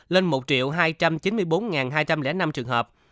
lên một hai trăm chín mươi bốn hai trăm linh năm trường hợp